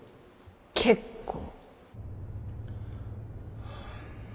結構。